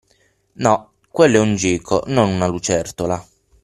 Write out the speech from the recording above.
No, quello è un geco, non una lucertola.